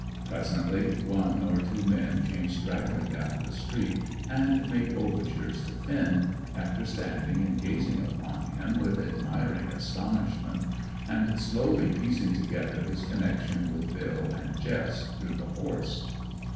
Presently one or two men came straggling down the street and made overtures to Finn, after standing and gazing upon him with admiring astonishment, and slowly piecing together his connection with Bill and Jess through the horse.